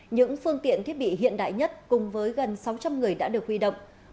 những phương tiện thiết bị hiện đại nhất cùng với gần sáu trăm linh người đã được huy động